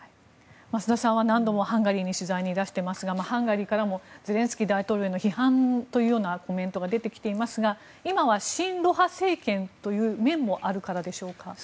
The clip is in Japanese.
増田さんは何度もハンガリーに取材にいらしてますがハンガリーからもゼレンスキー大統領への批判というようなコメントが出てきていますが今は親ロ派政権という面もあるからでしょうか？